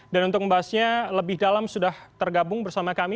dan untuk membahasnya lebih dalam sudah tergabung bersama kami